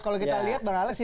kalau kita lihat bang alex ya